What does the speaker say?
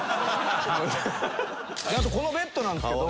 あとこのベッドなんですけど。